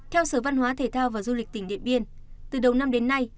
theo sở văn hóa thể thao và du lịch tỉnh điện biên từ đầu năm đến nay